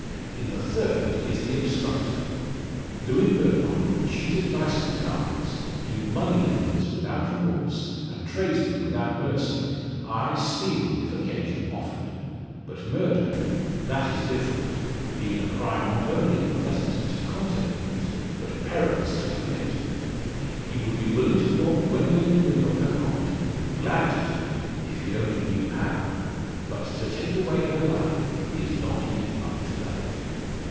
In the third is the obstructor. Lewin Murdock would cheat at dice and cards, do moneylenders without remorse, and tradesmen without mercy, ay, steal, if occasion offered; but murder that is different being a crime not only unpleasant to contemplate, but perilous to commit. He would be willing to rob Gwendoline Wynn of her property glad to do it if he only knew how but to take away her life, he is not yet up to that.